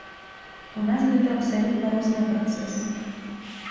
У нас гэта абсалютна розныя працэсы.